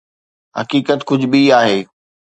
حقيقت ڪجهه ٻي آهي.